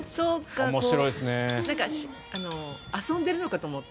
遊んでるのかと思った。